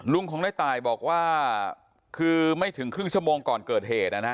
ของในตายบอกว่าคือไม่ถึงครึ่งชั่วโมงก่อนเกิดเหตุนะฮะ